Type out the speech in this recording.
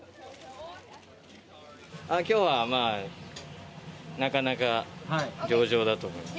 きょうはまあ、なかなか上々だと思います。